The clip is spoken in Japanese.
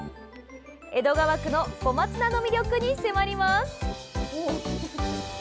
江戸川区の小松菜の魅力に迫ります。